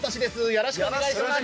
よろしくお願いします。